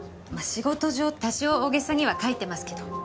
仕事上多少大げさには書いてますけど。